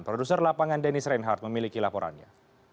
produser lapangan dennis reinhard memiliki laporannya